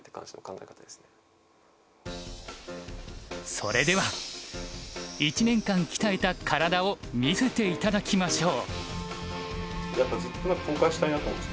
それでは１年間鍛えた体を見せていただきましょう。